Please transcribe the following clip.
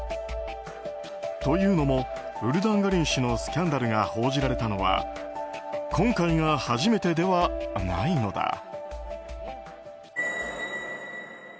というのも、ウルダンガリン氏のスキャンダルが報じられたのは今回が初めてではないのだ。